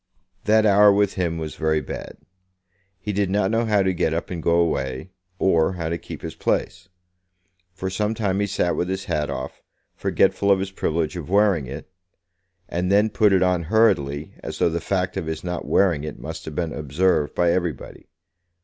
That hour with him was very bad. He did not know how to get up and go away, or how to keep his place. For some time he sat with his hat off, forgetful of his privilege of wearing it; and then put it on hurriedly, as though the fact of his not wearing it must have been observed by everybody.